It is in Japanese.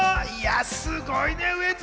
すごいね、ウエンツ。